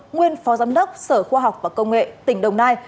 nguyên phó giám đốc sở khoa học và công nghệ tỉnh đồng nai